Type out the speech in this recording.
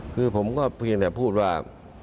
คือผมก็เพียงแต่พูดว่า